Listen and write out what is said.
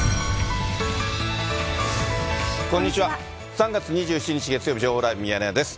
３月２７日月曜日、情報ライブミヤネ屋です。